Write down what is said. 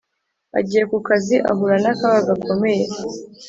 agiye ku kazi ahura n’akaga gakomeye